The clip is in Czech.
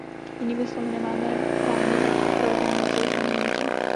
Jinými slovy, nemáme právní základ pro organizaci ochrany menšin.